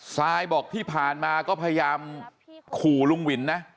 ซายบอกที่ผ่านมาก็พยายามขู่ลุงวินนะ